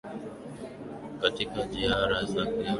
katika jiara yake ya siku mbili wanawesa anatarajio